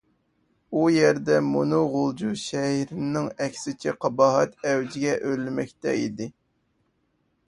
ئۇ يەردە مۇنۇ غۇلجا شەھىرىنىڭ ئەكسىچە قاباھەت ئەۋجىگە ئۆرلىمەكتە ئىدى.